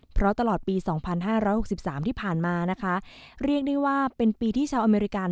เพราะตลอดปี๒๕๖๓ที่ผ่านมานะคะเรียกได้ว่าเป็นปีที่ชาวอเมริกา